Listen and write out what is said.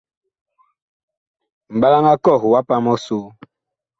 Mɓalaŋ a kɔh wa pam ɔsoo.